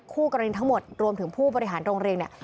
คู่กรณีทั้งหมดรวมถึงผู้บริหารโรงเรียนเนี่ย